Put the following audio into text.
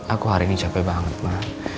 aku hari ini capek banget menang